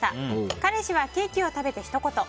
彼氏はケーキを食べてひと言。